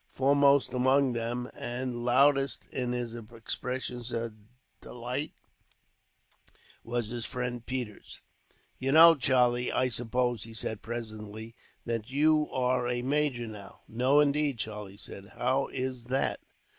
Foremost among them, and loudest in his expressions of delight, was his friend Peters. "You know, Charlie, I suppose," he said presently, "that you are a major now?" "No, indeed," Charlie said. "How is that?"